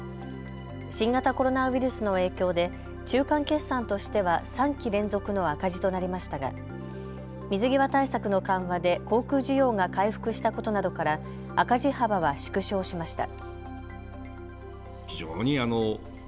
新型コロナウイルスの影響で中間決算としては３期連続の赤字となりましたが水際対策の緩和で航空需要が回復したことなどから赤字幅は縮小しました。